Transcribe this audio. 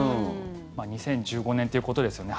２０１５年ということですよね。